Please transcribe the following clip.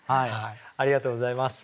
ありがとうございます。